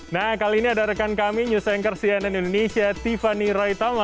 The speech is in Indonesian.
nah kali ini ada rekan kami news anchor cnn indonesia tiffany raitama